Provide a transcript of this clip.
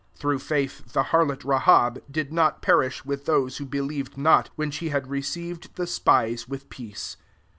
31 Through faith, the harlot Rahab lid not perish with those who )elieved not, when she had re reived the spies with peace.